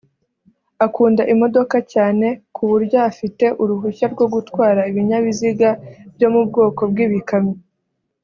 Akunda imodoka cyane ku buryo afite uruhushya rwo gutwara ibinyabiziga byo mu bwoko bw’ibikamyo